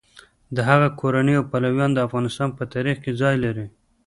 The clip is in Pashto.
د هغه کورنۍ او پلویان د افغانستان په تاریخ کې ځای لري.